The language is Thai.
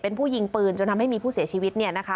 เป็นผู้ยิงปืนจนทำให้มีผู้เสียชีวิต